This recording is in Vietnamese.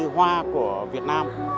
hoa của việt nam